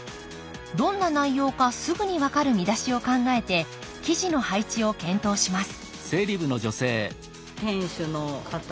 どんな内容かすぐに分かる見出しを考えて記事の配置を検討します